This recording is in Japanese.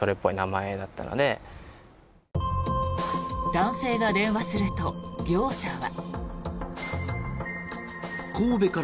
男性が電話すると、業者は。